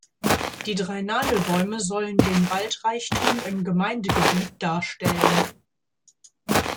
Die drei Nadelbäume sollen den Waldreichtum im Gemeindegebiet darstellen.